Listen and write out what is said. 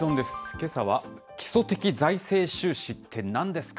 けさは基礎的財政収支ってなんですか？